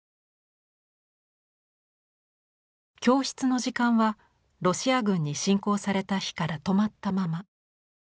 教室の時間はロシア軍に侵攻された日から止まったまま。